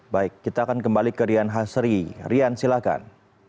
baik kita akan kembali ke rian hasri rian silahkan